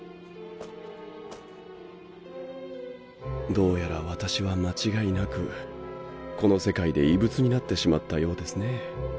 どうやら私は間違いなくこの世界で異物になってしまったようですね。